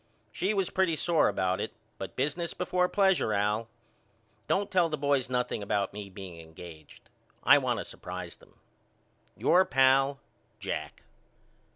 She was pretty sore about it but business before plesure Al. Don't tell the boys nothing about me being engaged. I want to surprise them. Your pal, JACK.